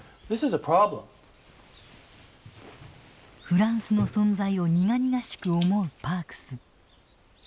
フランスの存在を苦々しく思うパークス。